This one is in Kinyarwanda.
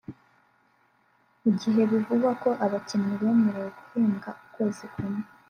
Mu gihe bivugwa ko abakinnyi bemerewe guhembwa ukwezi kumwe